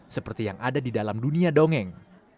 seperti yang ada di dalam dunia dongeng